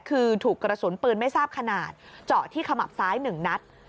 คือถูกกระสุนปืนไม่ทราบขนาดเจาะที่ขมับซ้าย๑นัด